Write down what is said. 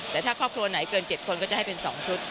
แต่ถ้าครอบครัวไหนเกิน๗คนก็จะให้เป็น๒ชุด